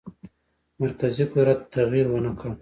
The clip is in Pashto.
مرکزي قدرت تغییر ونه کړ.